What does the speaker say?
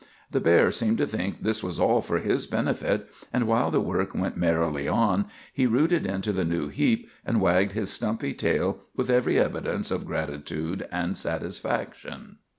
The bear seemed to think this was all for his benefit, and while the work went merrily on he rooted into the new heap and wagged his stumpy tail with every evidence of gratitude and satisfaction.